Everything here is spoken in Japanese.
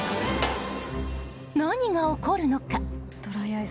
何が起こるのか。